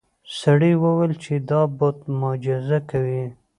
سړي وویل چې دا بت معجزه کوي.